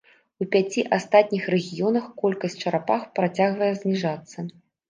У пяці астатніх рэгіёнах колькасць чарапах працягвае зніжацца.